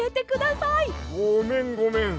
ごめんごめん。